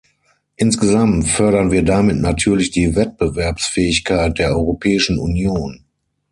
Insgesamt fördern wir damit natürlich die Wettbewerbsfähigkeit der Europäischen Union.